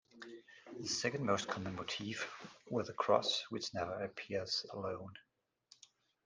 The second most common motif were the cross, which never appears alone.